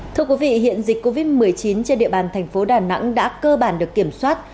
thưa quý vị hiện dịch covid một mươi chín trên địa bàn thành phố đà nẵng đã cơ bản được kiểm soát